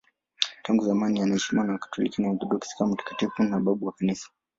Tangu zamani anaheshimiwa na Wakatoliki na Waorthodoksi kama mtakatifu na babu wa Kanisa.